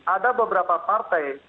ada beberapa partai